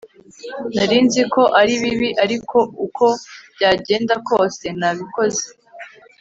Nari nzi ko ari bibi ariko uko byagenda kose nabikoze